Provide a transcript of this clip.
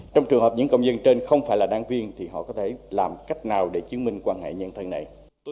trong trường hợp những công dân trên không phải là đáng viên thì họ có thể làm cách nào để chứng minh quan hệ nhân thân này